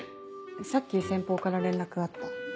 さっき先方から連絡があった。